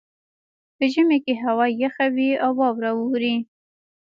په ژمي کې هوا یخه وي او واوره اوري